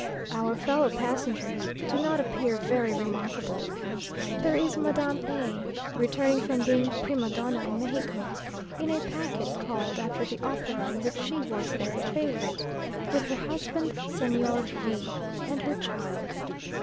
Our fellow passengers do not appear very remarkable. There is Madame A , returning from being prima donna in Mexico, in a packet called after the opera in which she was there a favourite, with her husband Señor V and her child.